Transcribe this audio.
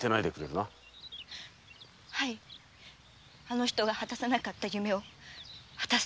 はいあの人が果たせなかった夢を果たすためにも。